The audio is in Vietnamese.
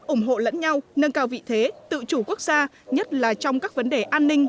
ủng hộ lẫn nhau nâng cao vị thế tự chủ quốc gia nhất là trong các vấn đề an ninh